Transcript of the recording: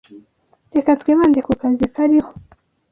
Reka twibande ku kazi kariho.